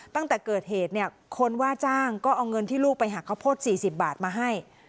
ตั้งแต่เกิดเหตุเนี่ยคนว่าจ้างก็เอาเงินที่ลูกไปหักข้าวโพด๔๐บาทมาให้